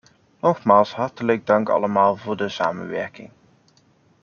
Nogmaals hartelijk dank allemaal voor de samenwerking.